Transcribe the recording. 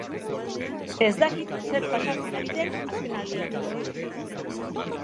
Ez dakit zer pasatzen ari den azken aldi honetan.